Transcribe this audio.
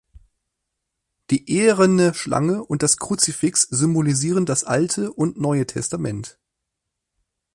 Die eherne Schlange und das Kruzifix symbolisieren das Alte und Neue Testament.